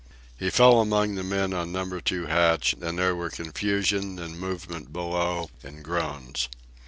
He fell among the men on Number Two hatch, and there were confusion and movement below, and groans.